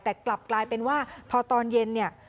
แต่กลับกลายเป็นว่าพอตอนเย็นเนี่ย